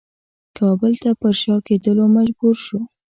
کابل ته پر شا کېدلو مجبور شو.